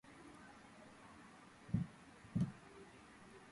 განფენილია ბულგარეთისა და თურქეთის ტერიტორიებზე.